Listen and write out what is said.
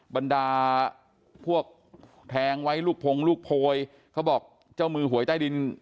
บรรดาพวกแทงไว้ลูกพงลูกโพยเขาบอกเจ้ามือหวยใต้ดิน